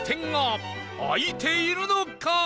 開いているのか？